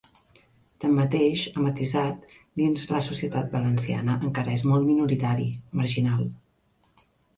Tanmateix, ha matisat, dins la societat valenciana encara és molt minoritari, marginal.